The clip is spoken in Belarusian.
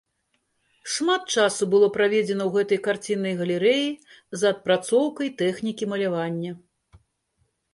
Шмат часу было праведзена ў гэтай карціннай галерэі за адпрацоўкай тэхнікі малявання.